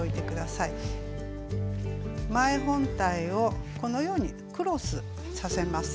前本体をこのようにクロスさせます。